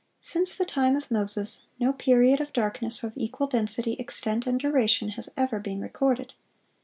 Since the time of Moses, no period of darkness of equal density, extent, and duration, has ever been recorded.